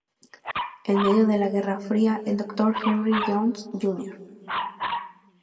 En medio de la Guerra Fría, el Doctor Henry Jones, Jr.